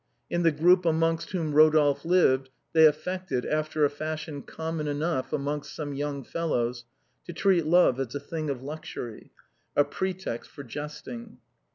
In the group amongst whom Rodolphe lived, they affected, after a fashion common enough amongst some young fel lows, to treat love as a thing of luxury, a pretext for jesting.